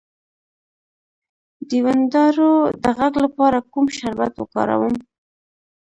د وینادرو د غږ لپاره کوم شربت وکاروم؟